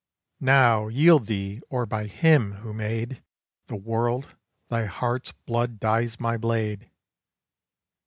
"Now, yield thee, or by Him who made The world, thy heart's blood dyes my blade!"